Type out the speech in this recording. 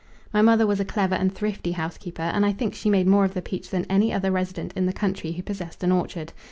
My mother was a clever and thrifty housekeeper, and I think she made more of the peach than any other resident in the country who possessed an orchard.